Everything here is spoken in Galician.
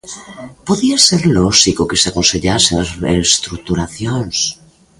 Podía ser lóxico que se aconsellasen as reestructuracións.